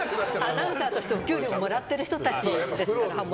アナウンサーとしてお給料もらってる人たちですから。